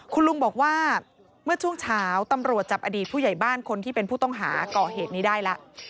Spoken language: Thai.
คุณลุงบอกว่าเมื่อช่วงเช้าตำรวจจับอดีตผู้ใหญ่บ้านคนที่เป็นผู้ต้องหาก่อเหตุนี้ได้แล้ว